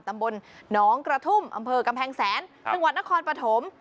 ตำบลหนองกระทุ่มอำเภอกำแพงแสนจังหวัดนครปฐม